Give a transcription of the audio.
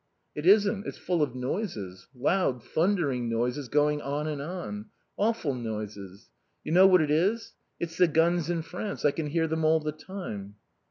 "It isn't. It's full of noises. Loud, thundering noises going on and on. Awful noises.... You know what it is? It's the guns in France. I can hear them all the time."